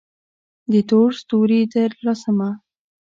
د تور ستوري ديارلسمه: